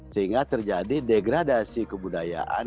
sehingga terjadi degradasi kebudayaan